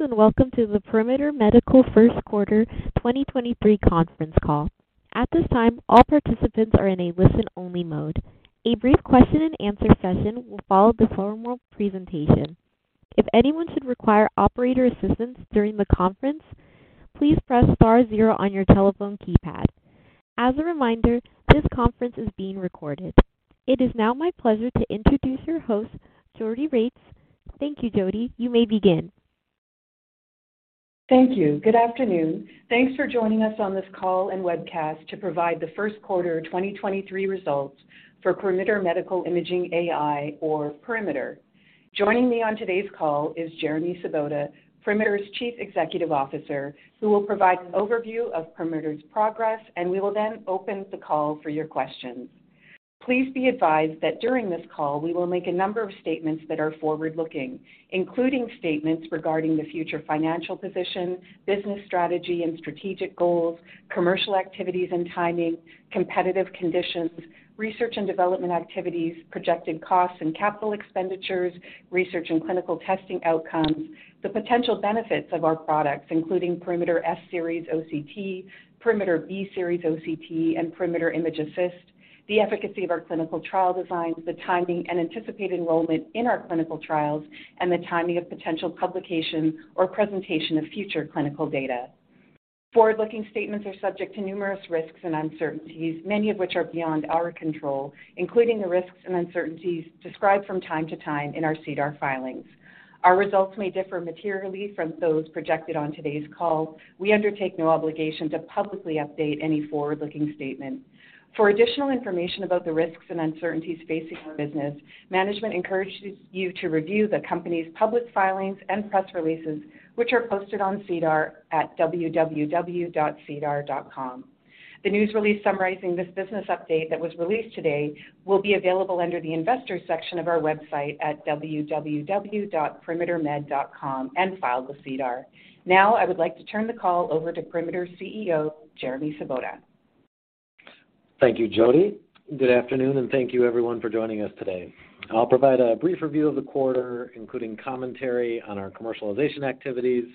Greetings. Welcome to the Perimeter Medical First Quarter 2023 Conference Call. At this time, all participants are in a listen-only mode. A brief question and answer session will follow the formal presentation. If anyone should require operator assistance during the conference, please press star zero on your telephone keypad. As a reminder, this conference is being recorded. It is now my pleasure to introduce your host, Jodi Regts. Thank you, Jodi. You may begin. Thank you. Good afternoon. Thanks for joining us on this call and webcast to provide the first quarter 2023 results for Perimeter Medical Imaging AI or Perimeter. Joining me on today's call is Jeremy Sobotta, Perimeter's Chief Executive Officer, who will provide an overview of Perimeter's progress. We will then open the call for your questions. Please be advised that during this call, we will make a number of statements that are forward-looking, including statements regarding the future financial position, business strategy and strategic goals, commercial activities and timing, competitive conditions, research and development activities, projected costs and capital expenditures, research and clinical testing outcomes, the potential benefits of our products, including Perimeter S-Series OCT, Perimeter B-Series OCT, and Perimeter ImgAssist, the efficacy of our clinical trial designs, the timing and anticipated enrollment in our clinical trials, and the timing of potential publication or presentation of future clinical data. Forward-looking statements are subject to numerous risks and uncertainties, many of which are beyond our control, including the risks and uncertainties described from time to time in our SEDAR filings. Our results may differ materially from those projected on today's call. We undertake no obligation to publicly update any forward-looking statement. For additional information about the risks and uncertainties facing our business, management encourages you to review the company's public filings and press releases, which are posted on SEDAR at www.sedar.com. The news release summarizing this business update that was released today will be available under the Investors section of our website at www.perimetermed.com and filed with SEDAR. Now, I would like to turn the call over to Perimeter's CEO, Jeremy Sobotta. Thank you, Jodi. Good afternoon, and thank you everyone for joining us today. I'll provide a brief review of the quarter, including commentary on our commercialization activities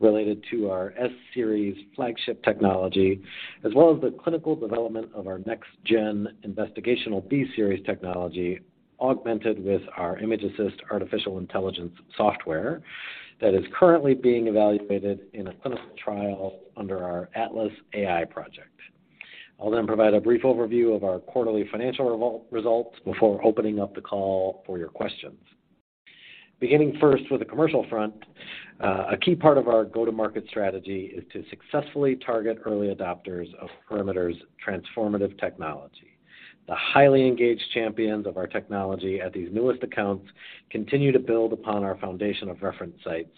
related to our S-Series flagship technology, as well as the clinical development of our next-gen investigational B-Series technology, augmented with our ImgAssist artificial intelligence software that is currently being evaluated in a clinical trial under our ATLAS AI project. I'll then provide a brief overview of our quarterly financial results before opening up the call for your questions. Beginning first with the commercial front, a key part of our go-to-market strategy is to successfully target early adopters of Perimeter's transformative technology. The highly engaged champions of our technology at these newest accounts continue to build upon our foundation of reference sites,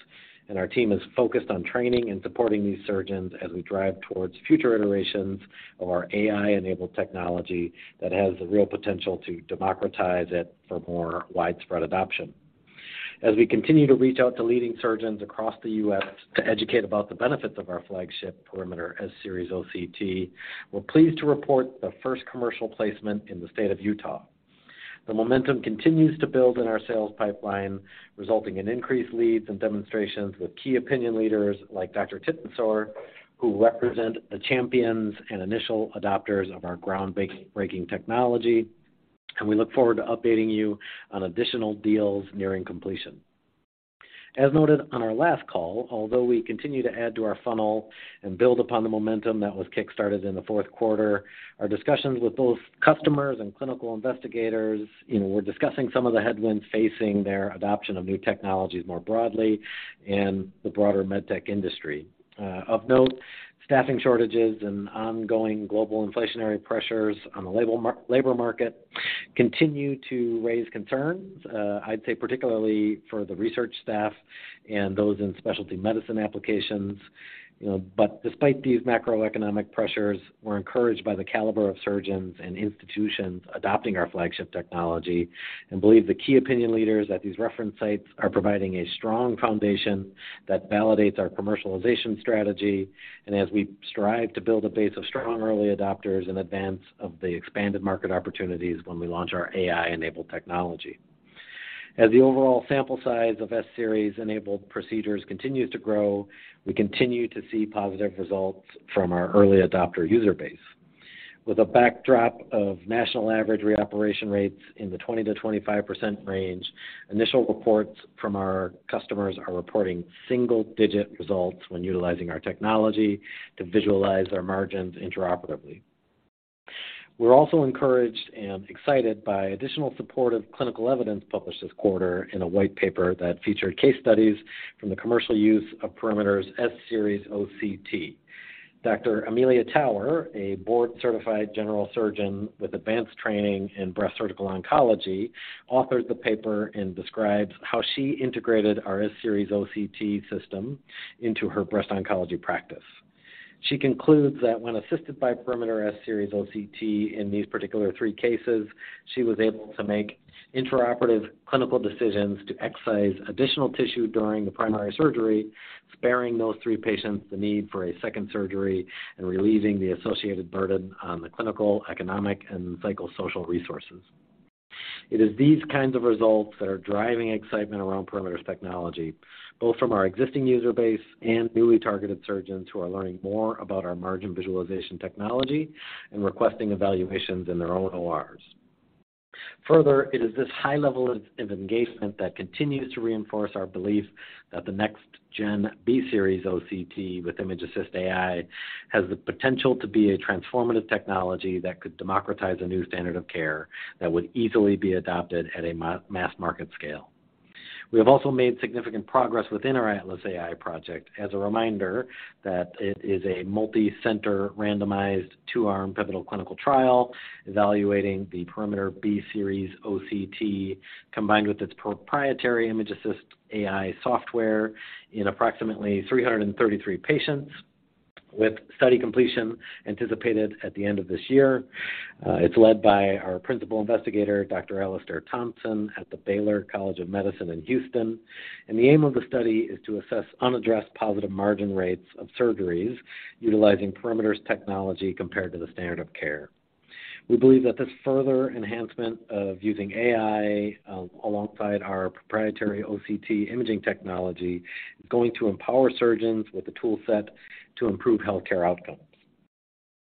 and our team is focused on training and supporting these surgeons as we drive towards future iterations of our AI-enabled technology that has the real potential to democratize it for more widespread adoption. As we continue to reach out to leading surgeons across the U.S. to educate about the benefits of our flagship Perimeter S-Series OCT, we're pleased to report the first commercial placement in the state of Utah. The momentum continues to build in our sales pipeline, resulting in increased leads and demonstrations with key opinion leaders like Dr. Tittensor, who represent the champions and initial adopters of our groundbreaking technology, and we look forward to updating you on additional deals nearing completion. As noted on our last call, although we continue to add to our funnel and build upon the momentum that was kickstarted in the fourth quarter, our discussions with both customers and clinical investigators, you know, we're discussing some of the headwinds facing their adoption of new technologies more broadly in the broader medtech industry. Of note, staffing shortages and ongoing global inflationary pressures on the label, labor market continue to raise concerns, I'd say particularly for the research staff and those in specialty medicine applications. You know, despite these macroeconomic pressures, we're encouraged by the caliber of surgeons and institutions adopting our flagship technology and believe the key opinion leaders at these reference sites are providing a strong foundation that validates our commercialization strategy, and as we strive to build a base of strong early adopters in advance of the expanded market opportunities when we launch our AI-enabled technology. As the overall sample size of S-Series-enabled procedures continues to grow, we continue to see positive results from our early adopter user base. With a backdrop of national average reoperation rates in the 20%-25% range, initial reports from our customers are reporting single-digit results when utilizing our technology to visualize their margins intraoperatively. We're also encouraged and excited by additional supportive clinical evidence published this quarter in a white paper that featured case studies from the commercial use of Perimeter's S-Series OCT. Dr. Amelia Tower, a board-certified general surgeon with advanced training in breast surgical oncology, authored the paper and describes how she integrated our S-Series OCT system into her breast oncology practice. She concludes that when assisted by Perimeter S-Series OCT in these particular three cases, she was able to make intraoperative clinical decisions to excise additional tissue during the primary surgery, sparing those three patients the need for a second surgery and relieving the associated burden on the clinical, economic, and psychosocial resources. It is these kinds of results that are driving excitement around Perimeter's technology, both from our existing user base and newly targeted surgeons who are learning more about our margin visualization technology and requesting evaluations in their own ORs. Further, it is this high level of engagement that continues to reinforce our belief that the next-gen B-Series OCT with ImgAssist AI has the potential to be a transformative technology that could democratize a new standard of care that would easily be adopted at a mass market scale. We have also made significant progress within our ATLAS AI project. As a reminder, that it is a multicenter, randomized, two-arm pivotal clinical trial evaluating the Perimeter B-Series OCT, combined with its proprietary ImgAssist AI software in approximately 333 patients, with study completion anticipated at the end of this year. It's led by our principal investigator, Dr. Alastair Thompson, at the Baylor College of Medicine in Houston. The aim of the study is to assess unaddressed positive margin rates of surgeries utilizing Perimeter's technology compared to the standard of care. We believe that this further enhancement of using AI alongside our proprietary OCT imaging technology is going to empower surgeons with the toolset to improve healthcare outcomes.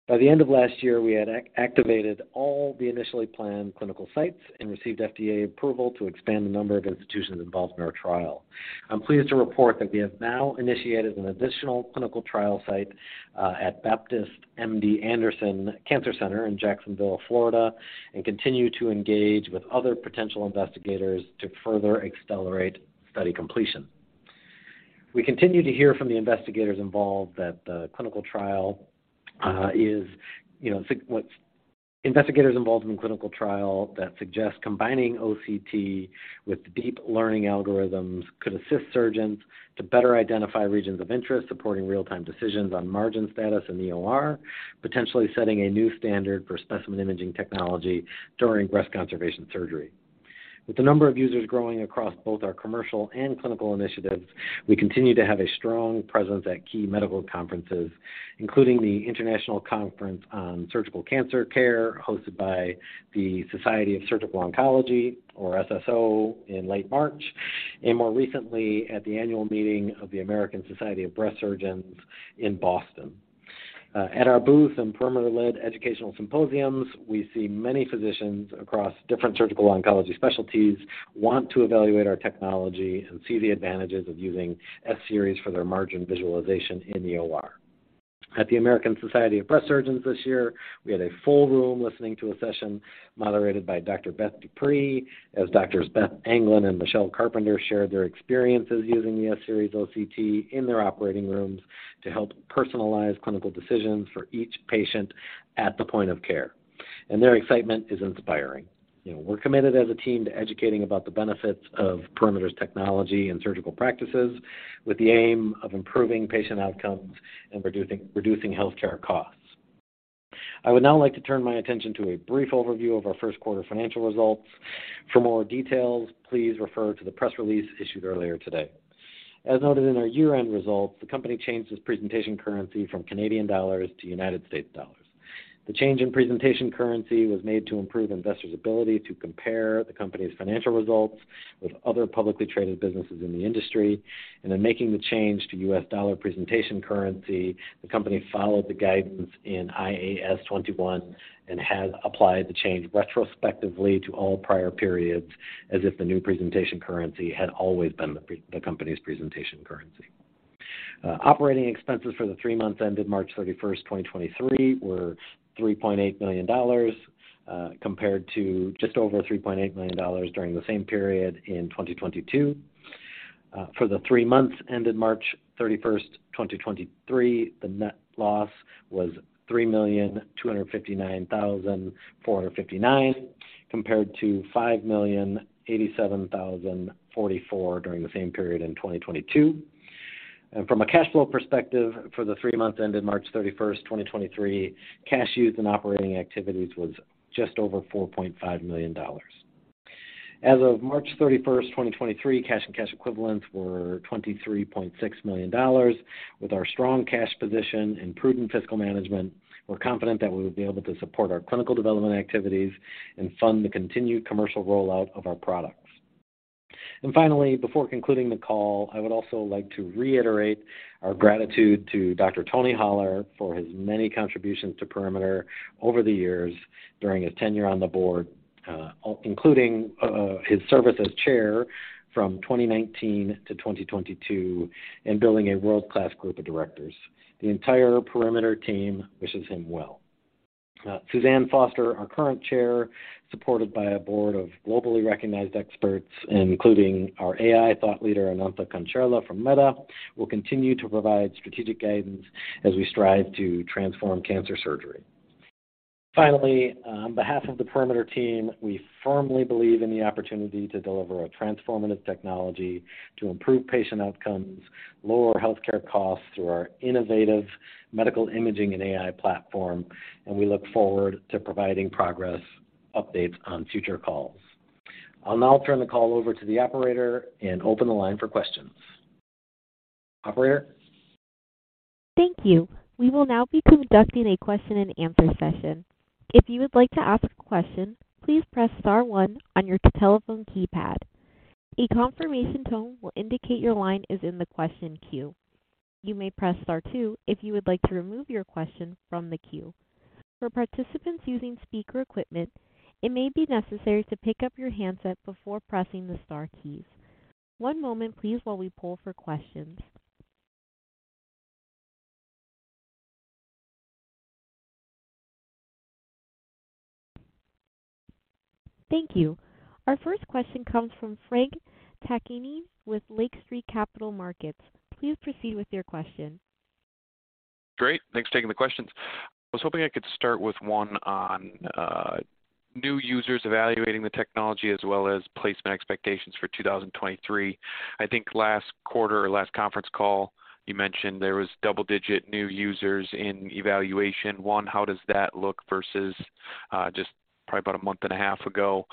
By the end of last year, we had activated all the initially planned clinical sites and received FDA approval to expand the number of institutions involved in our trial. I'm pleased to report that we have now initiated an additional clinical trial site at Baptist MD Anderson Cancer Center in Jacksonville, Florida, and continue to engage with other potential investigators to further accelerate study completion. We continue to hear from the investigators involved in the clinical trial that suggests combining OCT with deep learning algorithms could assist surgeons to better identify regions of interest, supporting real-time decisions on margin status in the OR, potentially setting a new standard for specimen imaging technology during breast conservation surgery. With the number of users growing across both our commercial and clinical initiatives, we continue to have a strong presence at key medical conferences, including the International Conference on Surgical Cancer Care, hosted by the Society of Surgical Oncology, or SSO, in late March, and more recently at the annual meeting of the American Society of Breast Surgeons in Boston. At our booth and Perimeter-led educational symposiums, we see many physicians across different surgical oncology specialties want to evaluate our technology and see the advantages of using S-Series OCT for their margin visualization in the OR. At the American Society of Breast Surgeons this year, we had a full room listening to a session moderated by Dr. Beth DuPree, as Drs. Beth Anglin and Michele Carpenter shared their experiences using the S-Series OCT in their operating rooms to help personalize clinical decisions for each patient at the point of care. Their excitement is inspiring. You know, we're committed as a team to educating about the benefits of Perimeter's technology and surgical practices, with the aim of improving patient outcomes and reducing healthcare costs. I would now like to turn my attention to a brief overview of our first quarter financial results. For more details, please refer to the press release issued earlier today. As noted in our year-end results, the company changed its presentation currency from Canadian dollars to United States dollars. The change in presentation currency was made to improve investors' ability to compare the company's financial results with other publicly traded businesses in the industry. In making the change to U.S. dollar presentation currency, the company followed the guidance in IAS 21 and has applied the change retrospectively to all prior periods, as if the new presentation currency had always been the company's presentation currency. Operating expenses for the three months ended March 31st, 2023, were $3.8 million, compared to just over $3.8 million during the same period in 2022. For the three months ended March 31st, 2023, the net loss was $3,259,459, compared to $5,087,044 during the same period in 2022. From a cash flow perspective, for the three months ended March 31st, 2023, cash use in operating activities was just over $4.5 million. As of March 31st, 2023, cash and cash equivalents were $23.6 million. With our strong cash position and prudent fiscal management, we're confident that we will be able to support our clinical development activities and fund the continued commercial rollout of our products. Finally, before concluding the call, I would also like to reiterate our gratitude to Dr. Tony Holler for his many contributions to Perimeter over the years during his tenure on the board, his service as chair from 2019-2022, in building a world-class group of directors. The entire Perimeter team wishes him well. Suzanne Foster, our current Chair, supported by a board of globally recognized experts, including our AI thought leader, Anantha Kancherla from Meta, will continue to provide strategic guidance as we strive to transform cancer surgery. On behalf of the Perimeter team, we firmly believe in the opportunity to deliver a transformative technology to improve patient outcomes, lower healthcare costs through our innovative medical imaging and AI platform, and we look forward to providing progress updates on future calls. I'll now turn the call over to the operator and open the line for questions. Operator? Thank you. We will now be conducting a question and answer session. If you would like to ask a question, please press star one on your telephone keypad. A confirmation tone will indicate your line is in the question queue. You may press star two if you would like to remove your question from the queue. For participants using speaker equipment, it may be necessary to pick up your handset before pressing the star keys. One moment please, while we poll for questions. Thank you. Our first question comes from Frank Takkinen with Lake Street Capital Markets. Please proceed with your question. Great. Thanks for taking the questions. I was hoping I could start with one on new users evaluating the technology as well as placement expectations for 2023. I think last quarter or last conference call, you mentioned there was double-digit new users in evaluation. One, how does that look versus just probably about a month and a half ago?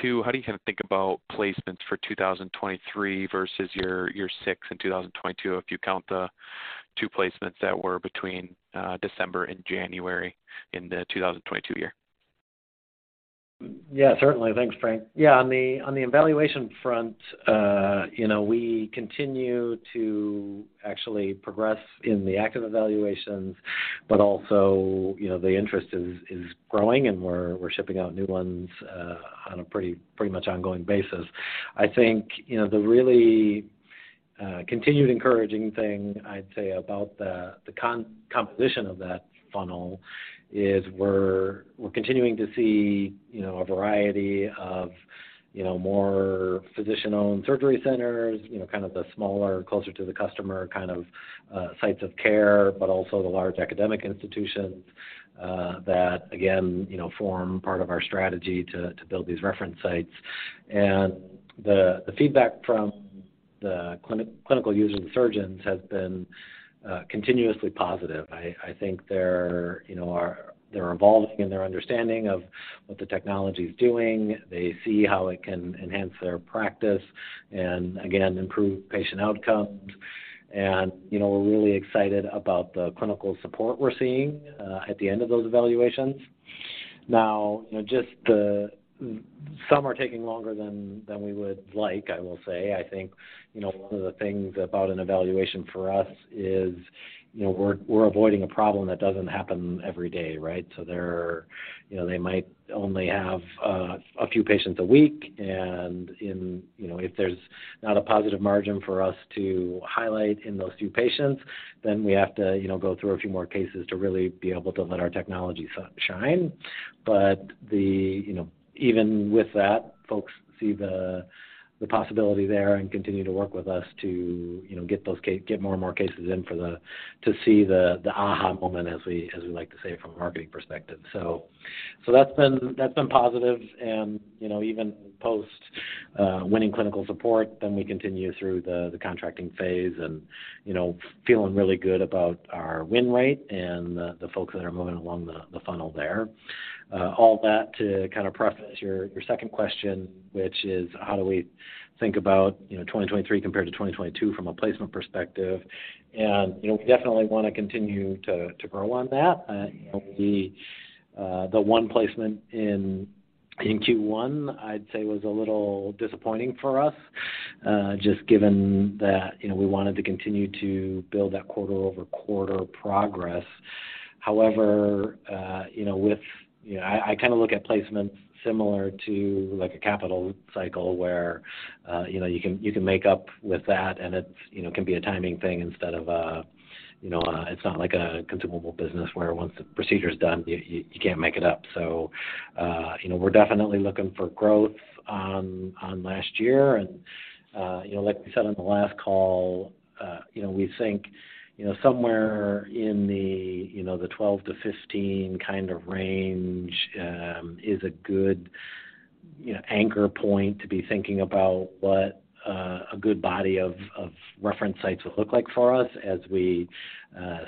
Two, how do you kind of think about placements for 2023 versus your, your six in 2022, if you count the two placements that were between December and January in the 2022 year? Yeah, certainly. Thanks, Frank. Yeah, on the evaluation front, you know, we continue to actually progress in the active evaluations, but also, you know, the interest is growing, and we're shipping out new ones on a pretty much ongoing basis. I think, you know, the really continued encouraging thing I'd say about the composition of that funnel is we're continuing to see, you know, a variety of, you know, more physician-owned surgery centers, you know, kind of the smaller, closer to the customer kind of sites of care, but also the large academic institutions that again, you know, form part of our strategy to build these reference sites. The feedback from the clinical users and surgeons has been continuously positive. I think they're, you know. They're evolving in their understanding of what the technology is doing. They see how it can enhance their practice and again, improve patient outcomes. You know, we're really excited about the clinical support we're seeing at the end of those evaluations. You know, some are taking longer than we would like, I will say. I think, you know, one of the things about an evaluation for us is, you know, we're avoiding a problem that doesn't happen every day, right? You know, they might only have a few patients a week, and in, you know, if there's not a positive margin for us to highlight in those few patients, then we have to, you know, go through a few more cases to really be able to let our technology shine. The, you know, even with that, folks see the possibility there and continue to work with us to, you know, get more and more cases in for the, to see the aha moment, as we like to say, from a marketing perspective. That's been positive. You know, even post winning clinical support, then we continue through the contracting phase and, you know, feeling really good about our win rate and the folks that are moving along the funnel there. All that to kind of preface your second question, which is how do we think about, you know, 2023 compared to 2022 from a placement perspective? You know, we definitely want to continue to grow on that. You know, the one placement in Q1, I'd say, was a little disappointing for us, just given that, you know, we wanted to continue to build that quarter-over-quarter progress. You know, I kind of look at placements similar to, like, a capital cycle where, you know, you can, you can make up with that, and it, you know, can be a timing thing instead of. It's not like a consumable business, where once the procedure is done, you can't make it up. You know, we're definitely looking for growth on last year. You know, like we said on the last call, you know, we think, you know, somewhere in the, you know, the 12-15 kind of range, is a good, you know, anchor point to be thinking about what, a good body of reference sites would look like for us as we,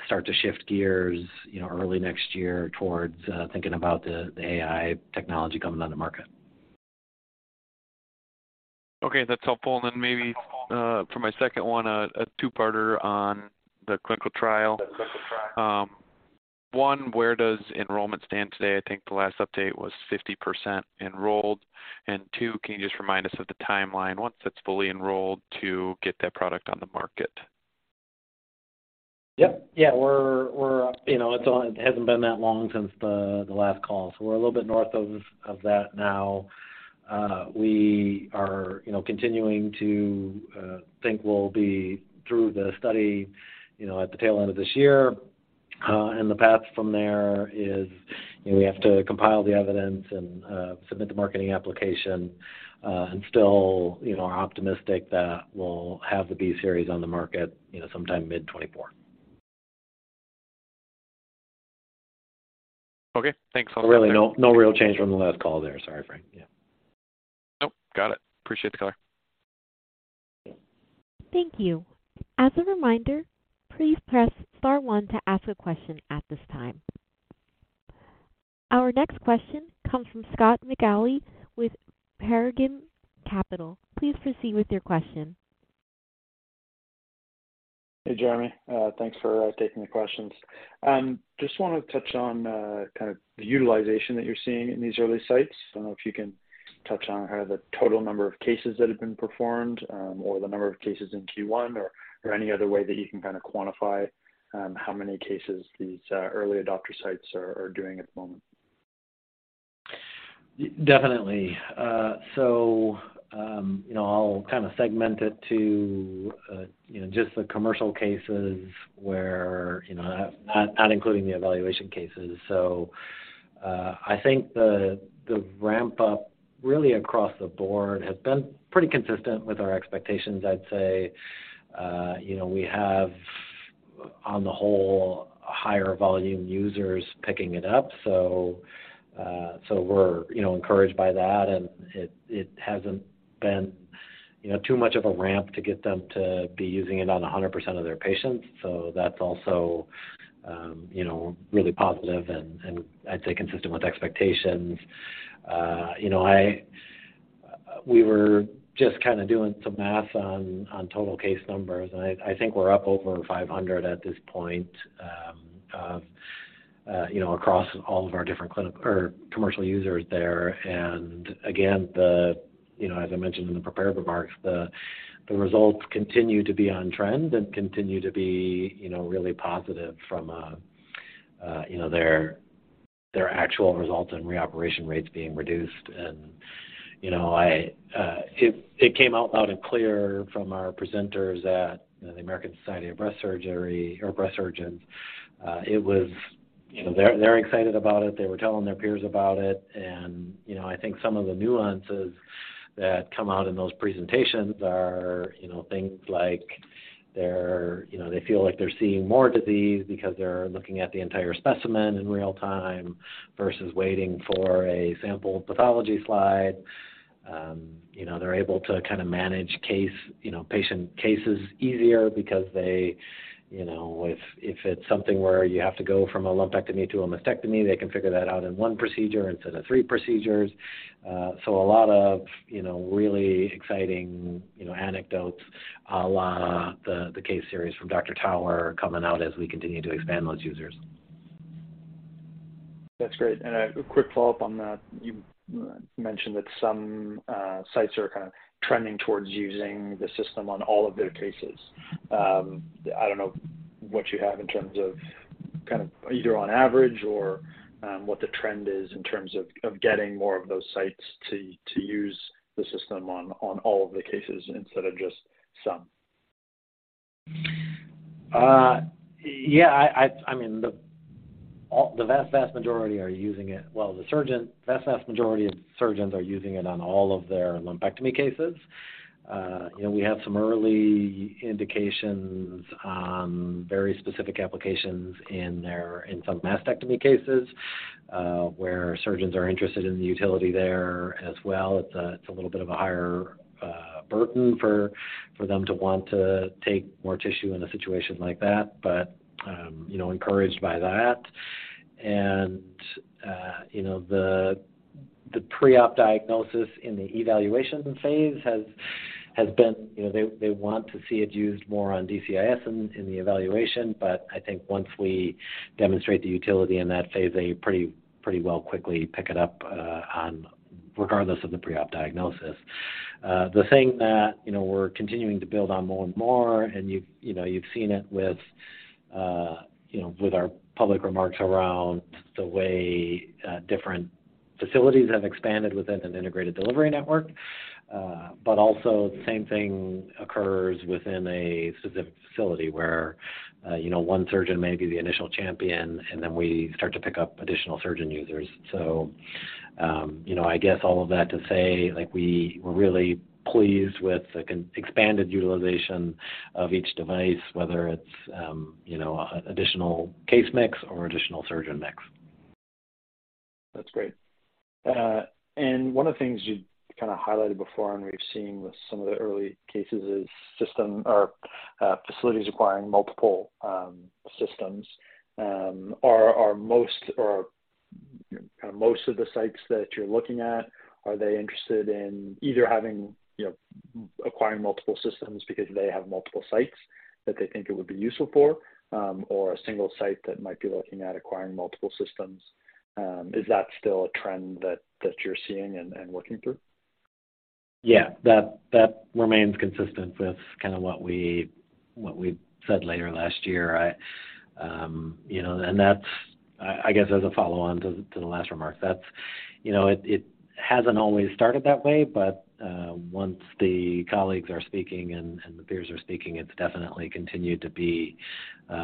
start to shift gears, you know, early next year towards, thinking about the AI technology coming on the market. Okay, that's helpful. Then maybe, for my second one, a two-parter on the clinical trial. One, where does enrollment stand today? I think the last update was 50% enrolled. Two, can you just remind us of the timeline, once it's fully enrolled, to get that product on the market? Yep. Yeah, we're, you know, it hasn't been that long since the last call, so we're a little bit more of that now. We are, you know, continuing to think we'll be through the study, you know, at the tail end of this year. The path from there is, you know, we have to compile the evidence and submit the marketing application. Still, you know, are optimistic that we'll have the B-Series on the market, you know, sometime mid 2024. Okay, thanks. Really, no real change from the last call there. Sorry, Frank. Yeah. Nope, got it. Appreciate the color. Thank you. As a reminder, please press star one to ask a question at this time. Our next question comes from Scott McAuley with Paradigm Capital. Please proceed with your question. Hey, Jeremy. Thanks for taking the questions. Just want to touch on kind of the utilization that you're seeing in these early sites. I don't know if you can touch on kind of the total number of cases that have been performed, or the number of cases in Q1, or any other way that you can kind of quantify how many cases these early adopter sites are doing at the moment. Definitely. You know, I'll kind of segment it to, you know, just the commercial cases where, you know, not including the evaluation cases. I think the ramp up really across the board has been pretty consistent with our expectations. I'd say, you know, we have, on the whole, higher volume users picking it up. We're, you know, encouraged by that, and it hasn't been, you know, too much of a ramp to get them to be using it on a 100% of their patients. That's also, you know, really positive and I'd say consistent with expectations. You know, we were just kind of doing some math on total case numbers, and I think we're up over 500 at this point, you know, across all of our different clinic or commercial users there. Again, the, you know, as I mentioned in the prepared remarks, the results continue to be on trend and continue to be, you know, really positive from a, you know, their actual results and reoperation rates being reduced. You know, it came out loud and clear from our presenters at, you know, the American Society of Breast Surgery or Breast Surgeons. It was. You know, they're excited about it. They were telling their peers about it. I think some of the nuances that come out in those presentations are, you know, things like they're, you know, they feel like they're seeing more disease because they're looking at the entire specimen in real time versus waiting for a sample pathology slide. You know, they're able to kind of manage case, you know, patient cases easier because they, you know, if it's something where you have to go from a lumpectomy to a mastectomy, they can figure that out in one procedure instead of three procedures. A lot of, you know, really exciting, you know, anecdotes a la the case series from Amelia Tower coming out as we continue to expand those users. That's great. A quick follow-up on that. You mentioned that some sites are kind of trending towards using the system on all of their cases. I don't know what you have in terms of kind of either on average or what the trend is in terms of getting more of those sites to use the system on all of the cases instead of just some. Yeah, I mean, the vast majority are using it. Well, the vast majority of surgeons are using it on all of their lumpectomy cases. You know, we have some early indications on very specific applications in their, in some mastectomy cases, where surgeons are interested in the utility there as well. It's a little bit of a higher burden for them to want to take more tissue in a situation like that, but, you know, encouraged by that. You know, the preop diagnosis in the evaluation phase has been, you know, they want to see it used more on DCIS in the evaluation. I think once we demonstrate the utility in that phase, they pretty well quickly pick it up on regardless of the preop diagnosis. The thing that, you know, we're continuing to build on more and more, you've, you know, you've seen it with, you know, with our public remarks around the way, different facilities have expanded within an integrated delivery network. Also the same thing occurs within a specific facility where, you know, one surgeon may be the initial champion, and then we start to pick up additional surgeon users. You know, I guess all of that to say, like, we're really pleased with the expanded utilization of each device, whether it's, you know, additional case mix or additional surgeon mix. That's great. One of the things you kind of highlighted before, and we've seen with some of the early cases, is system or facilities requiring multiple systems. Are most or kind of most of the sites that you're looking at, are they interested in either having, you know, acquiring multiple systems because they have multiple sites that they think it would be useful for, or a single site that might be looking at acquiring multiple systems? Is that still a trend that you're seeing and working through? Yeah, that remains consistent with kind of what we said later last year. I, you know, and that's, I guess, as a follow-on to the last remark, that's, you know, it hasn't always started that way, but once the colleagues are speaking and the peers are speaking, it's definitely continued to be,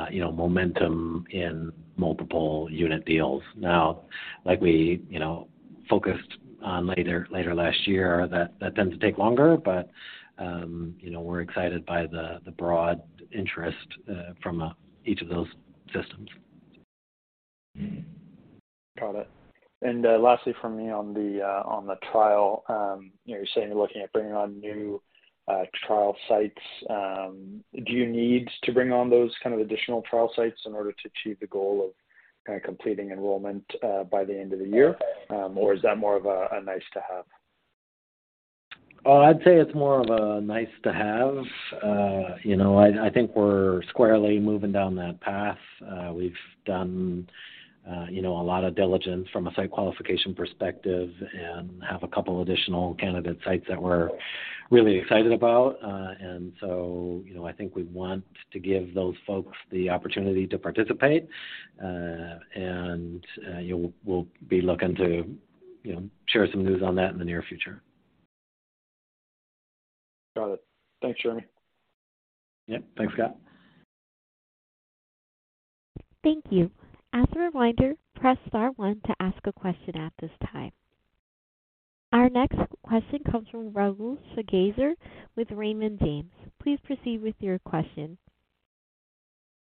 you know, momentum in multiple unit deals. Now, like we, you know, focused on later last year, that tends to take longer, but, you know, we're excited by the broad interest from each of those systems. Got it. Lastly for me on the trial, you know, you're saying you're looking at bringing on new trial sites. Do you need to bring on those kind of additional trial sites in order to achieve the goal of kind of completing enrollment by the end of the year, or is that more of a nice to have? I'd say it's more of a nice to have. You know, I think we're squarely moving down that path. We've done, you know, a lot of diligence from a site qualification perspective and have a couple additional candidate sites that we're really excited about. You know, I think we want to give those folks the opportunity to participate. You know, we'll be looking to, you know, share some news on that in the near future. Got it. Thanks, Jeremy. Yep. Thanks, Scott. Thank you. As a reminder, press Star one to ask a question at this time. Our next question comes from Rahul Sarugaser with Raymond James. Please proceed with your question.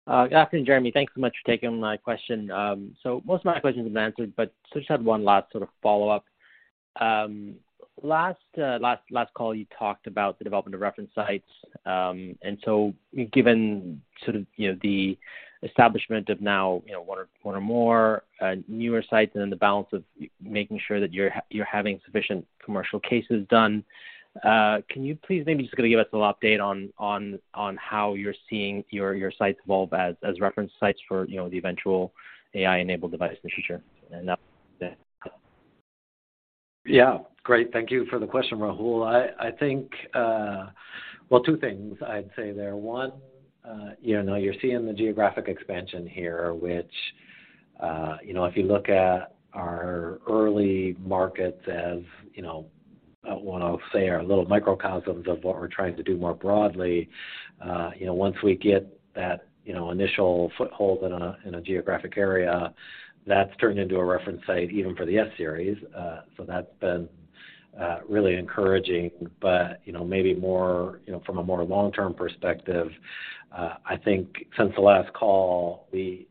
Good afternoon, Jeremy. Thanks so much for taking my question. Most of my questions have been answered, but just had one last sort of follow-up. Last call, you talked about the development of reference sites. Given sort of, you know, the establishment of now, you know, one or more, newer sites and then the balance of making sure that you're having sufficient commercial cases done, can you please maybe just give us a little update on how you're seeing your sites evolve as reference sites for, you know, the eventual AI-enabled device in the future? That's it. Great. Thank you for the question, Rahul. I think, well, two things I'd say there. One, you know, you're seeing the geographic expansion here, which, you know, if you look at our early markets, as, you know, I want to say, are little microcosms of what we're trying to do more broadly. You know, once we get that, you know, initial foothold in a geographic area, that's turned into a reference site, even for the S-Series. That's been really encouraging. You know, maybe more, you know, from a more long-term perspective, I think since the last call, we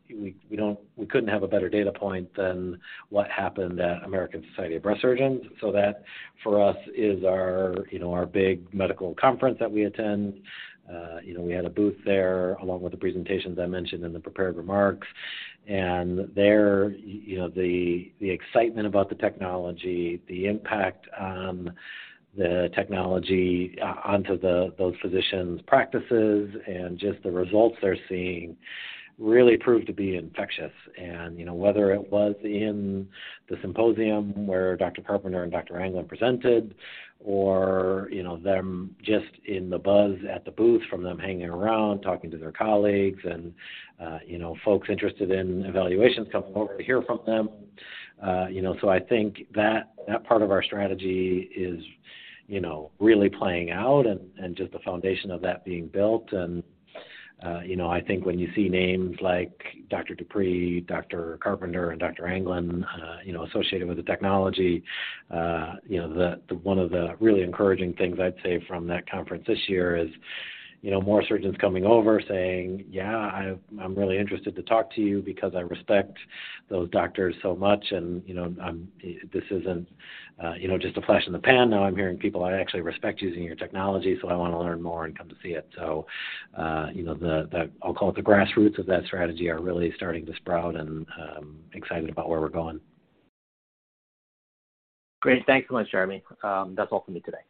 couldn't have a better data point than what happened at American Society of Breast Surgeons. That, for us, is our, you know, our big medical conference that we attend. You know, we had a booth there, along with the presentations I mentioned in the prepared remarks. There, you know, the excitement about the technology, the impact on the technology onto those physicians' practices and just the results they're seeing, really proved to be infectious. You know, whether it was in the symposium where Dr. Carpenter and Dr. Anglin presented or, you know, them just in the buzz at the booth from them hanging around, talking to their colleagues and, you know, folks interested in evaluations coming over to hear from them. You know, so I think that part of our strategy is, you know, really playing out and just the foundation of that being built. You know, I think when you see names like Dr. DuPree, Dr. Carpenter, and Dr. Anglin, you know, associated with the technology, you know, One of the really encouraging things I'd say from that conference this year is, you know, more surgeons coming over saying, "Yeah, I'm really interested to talk to you because I respect those doctors so much. You know, this isn't, you know, just a flash in the pan. Now I'm hearing people I actually respect using your technology, so I want to learn more and come to see it." You know, the, I'll call it, the grassroots of that strategy are really starting to sprout and excited about where we're going. Great. Thanks so much, Jeremy. That's all for me today.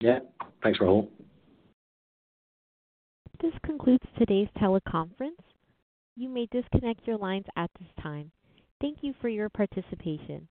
Yeah. Thanks, Rahul. This concludes today's teleconference. You may disconnect your lines at this time. Thank you for your participation.